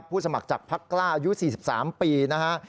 ผู้สมัครจากภักดิ์กล้าอายุ๔๓ปีนะคะ